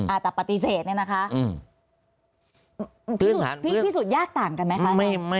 อาจจะปฏิเสธเนี่ยนะคะพิสูจน์ยากต่างกันไหมคะ